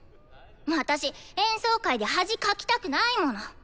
私演奏会で恥かきたくないもの！